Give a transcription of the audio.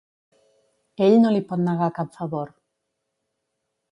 Ell no li pot negar cap favor.